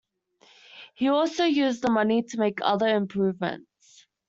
He also used the money to make other improvements.